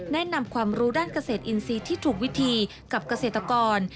นำความรู้ด้านเกษตรอินทรีย์ที่ถูกวิธีกับเกษตรกร